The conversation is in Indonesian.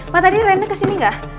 ma tadi reina kesini gak